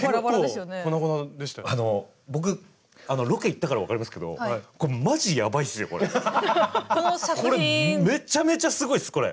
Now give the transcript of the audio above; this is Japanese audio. あの僕ロケ行ったから分かりますけどこれめちゃめちゃすごいっすこれ。